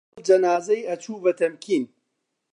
لەگەڵ جەنازەی ئەچوو بە تەمکین